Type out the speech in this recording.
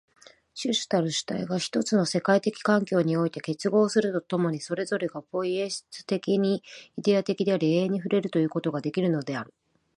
種々なる主体が一つの世界的環境において結合すると共に、それぞれがポイエシス的にイデヤ的であり、永遠に触れるということができるのである。